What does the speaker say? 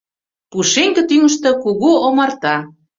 Пушеҥге тӱҥыштӧ кугу омарта.